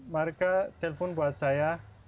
mereka telepon ke saya